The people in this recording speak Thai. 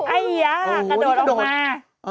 ไอ้ย่ากระโดดออกมา